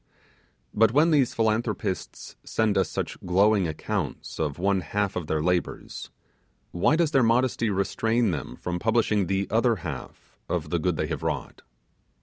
But when these philanthropists send us such glowing accounts of one half of their labours, why does their modesty restrain them from publishing the other half of the good they have wrought?